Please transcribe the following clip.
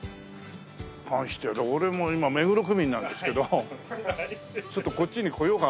ましてや俺も今目黒区民なんですけどちょっとこっちに来ようかなと。